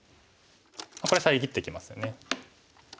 これ遮ってきますよね。